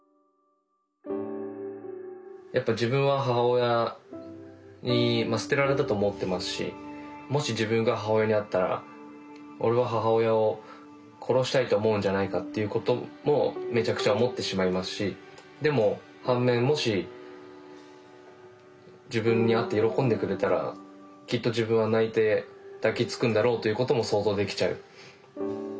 やっぱ自分は母親に捨てられたと思ってますしもし自分が母親に会ったら俺は母親を殺したいと思うんじゃないかっていうこともめちゃくちゃ思ってしまいますしでも反面もし自分に会って喜んでくれたらきっと自分は泣いて抱きつくんだろうということも想像できちゃう。